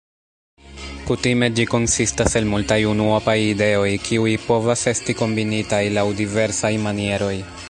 Kutime ĝi konsistas el multaj unuopaj ideoj, kiuj povas esti kombinitaj laŭ diversaj manieroj.